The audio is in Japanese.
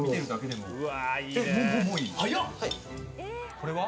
これは？